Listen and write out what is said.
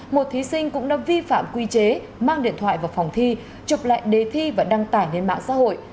một thí sinh cũng đã vi phạm quy chế mang điện thoại vào phòng thi chụp lại đề thi và đăng tải lên mạng xã hội